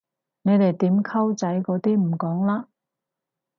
你哋點溝仔嗰啲唔講嘞？